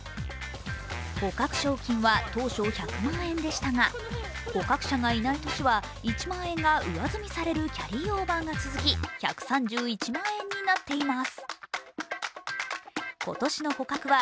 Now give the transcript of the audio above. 捕獲賞金は当初１００万円でしたが捕獲者がいない年は１万円が上積みされるキャリーオーバーが続き、１３１万円になっています。